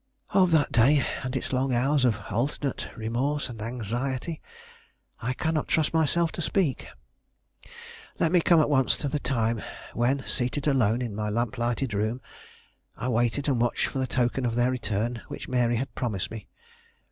Of that day, and its long hours of alternate remorse and anxiety, I cannot trust myself to speak. Let me come at once to the time when, seated alone in my lamp lighted room, I waited and watched for the token of their return which Mary had promised me.